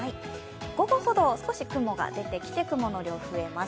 午後ほど少し雲が出てきて雲の量が増えます。